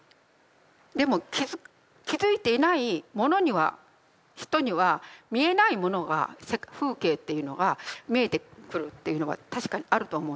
でも気付いていない者には人には見えないものが風景っていうのが見えてくるっていうのは確かにあると思うんですね。